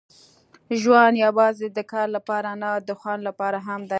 ژوند یوازې د کار لپاره نه، د خوند لپاره هم دی.